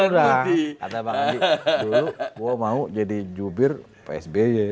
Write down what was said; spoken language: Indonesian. dulu saya mau jadi jubir psb